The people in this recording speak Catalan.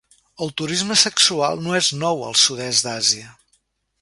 El turisme sexual no és nou al sud-est d'Àsia.